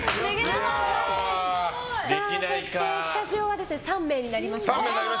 スタジオは３名になりました。